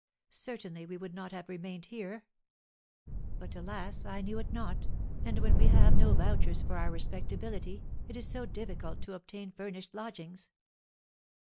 Certainly, we would not have remained here. But, alas, I knew it not; and when we have no vouchers for our respectability, it is so difficult to obtain furnished lodgings.